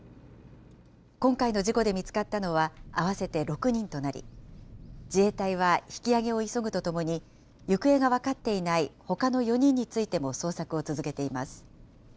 今回の事故で見つかったのは合わせて６人となり、自衛隊は引きあげを急ぐとともに、行方が分かっていないほかの４人についても捜索を続けています。